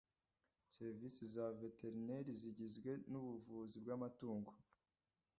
serivisi za veterineri zigizwe n ubuvuzi bw amatungo